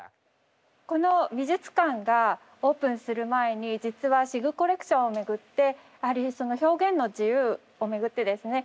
この美術館がオープンする前に実はシグコレクションをめぐって表現の自由をめぐってですね